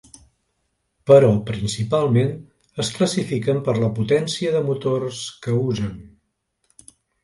Però principalment es classifiquen per la potència de motors que usen.